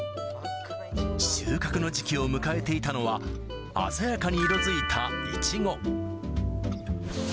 収穫の時期を迎えていたのは、鮮やかに色づいたいちご。